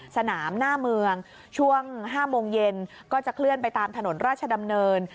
สนามหน้าเมืองช่วง๕โมงเย็นก็จะเคลื่อนไปตามถนนราชดำเนิน